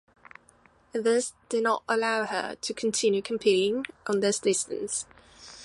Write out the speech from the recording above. This did not allow her to continue competing on this distance.